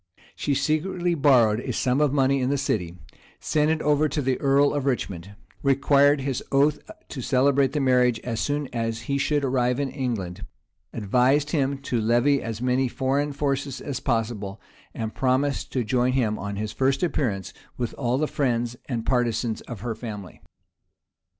She secretly borrowed a sum of money in the city, sent it over to the earl of Richmond, required his oath to celebrate the marriage as soon as he should arrive in England, advised him to levy as many foreign forces as possible, and promised to join him on his first appearance, with all the friends and partisans of her family.